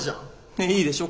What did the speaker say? ねえいいでしょ